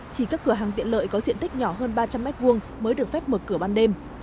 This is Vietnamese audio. chỉ các cửa hàng tiện lợi có diện tích nhỏ hơn ba trăm linh m hai mới được phép mở cửa ban đêm